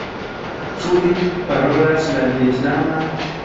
Ĉu vi parolas la vjetnaman?